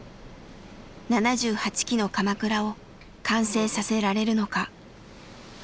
７８基のかまくらを完成させられるのか。